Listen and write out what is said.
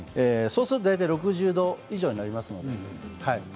そうすると６０度以上になりますので。